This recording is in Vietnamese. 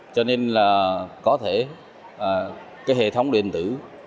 cho nên có thể hệ thống điện tử